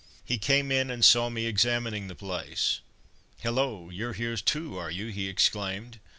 He came in and saw me examining the place. "Hullo, you're here too, are you?" he exclaimed.